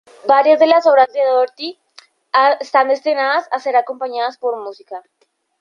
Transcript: Varias de las obras de Doherty están destinadas a ser acompañadas por música.